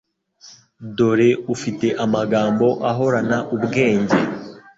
dore ufite amagambo ahorana ubwenge